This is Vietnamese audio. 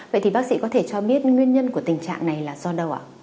vậy thì bác sĩ có thể cho biết nguyên nhân của tình trạng này là do đâu ạ